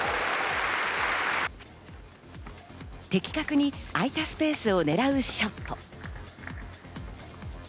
的確に空いたスペースを狙うショット。